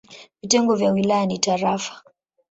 Vitengo vya wilaya ni tarafa.